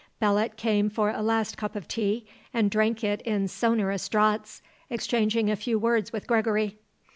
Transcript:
Belot came for a last cup of tea and drank it in sonorous draughts, exchanging a few words with Gregory.